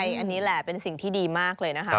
อันนี้แหละเป็นสิ่งที่ดีมากเลยนะคะ